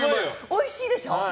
おいしいでしょ？